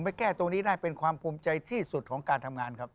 ไปแก้ตรงนี้ได้เป็นความภูมิใจที่สุดของการทำงานครับ